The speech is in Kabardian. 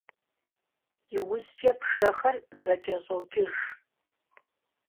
ИужькӀэ пшэхэр зэкӀэщӀокӀыж.